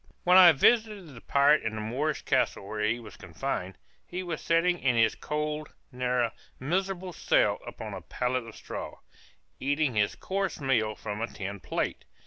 When I visited the pirate in the Moorish castle where he was confined, he was sitting in his cold, narrow, and miserable cell, upon a pallet of straw, eating his coarse meal from a tin plate.